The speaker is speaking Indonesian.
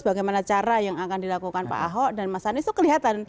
bagaimana cara yang akan dilakukan pak ahok dan mas anies itu kelihatan